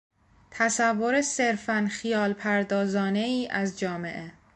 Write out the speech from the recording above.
تصور صرفا خیال پردازانهای از جامعه